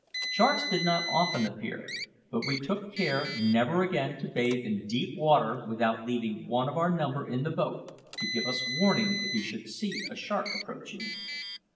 Sharks did not often appear; but we took care never again to bathe in deep water without leaving one of our number in the boat, to give us warning if he should see a shark approaching.